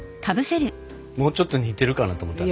もうちょっと似てるかなと思った。